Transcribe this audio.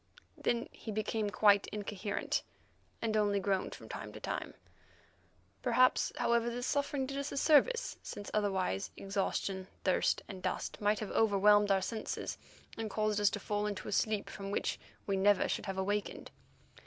Then he became quite incoherent, and only groaned from time to time. Perhaps, however, this suffering did us a service, since otherwise exhaustion, thirst, and dust might have overwhelmed our senses, and caused us to fall into a sleep from which we never should have awakened.